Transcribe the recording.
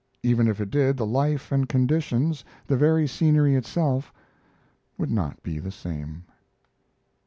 Even if it did, the life and conditions, the very scenery itself, would not be the same.